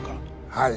はい。